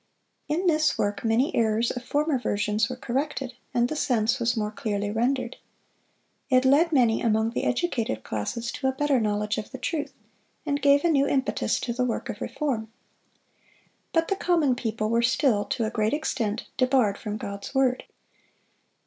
In this work many errors of former versions were corrected, and the sense was more clearly rendered. It led many among the educated classes to a better knowledge of the truth, and gave a new impetus to the work of reform. But the common people were still, to a great extent, debarred from God's word.